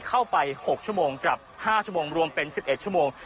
เข้าไป๖ชั่วโมงกลับ๕ชั่วโมงรวมเป็น๑๑ชั่วโมง